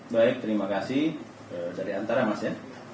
baik terima kasih dari antara mas ya